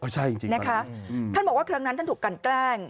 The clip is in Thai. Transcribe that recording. ใช่จริงนะคะท่านบอกว่าครั้งนั้นท่านถูกกันแกล้ง